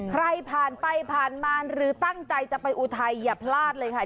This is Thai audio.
ใครผ่านไปผ่านมาหรือตั้งใจจะไปอุทัยอย่าพลาดเลยค่ะ